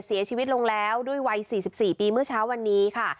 เสียชีวิตลงแล้วด้วยวัย๔๔ปีเมื่อเช้าวันนี้ค่ะ